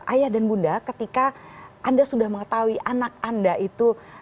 ayah dan bunda ketika anda sudah mengetahui anak anda itu